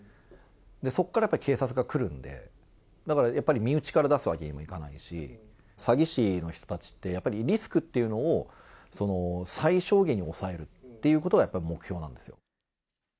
そこからやっぱり警察が来るんで、だからやっぱり、身内から出すわけにもいかないし、詐欺師の人たちって、やっぱりリスクっていうのを最小限に抑えるっていうことが、やっぱり目標なんですよ。